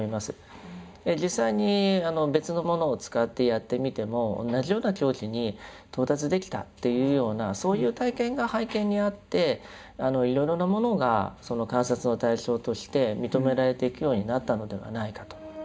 実際に別のものを使ってやってみても同じような境地に到達できたというようなそういう体験が背景にあっていろいろなものがその観察の対象として認められていくようになったのではないかと。